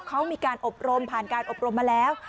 เขามีการอบรมผ่านการอบรมมาแล้ว